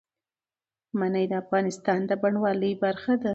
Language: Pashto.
منی د افغانستان د بڼوالۍ برخه ده.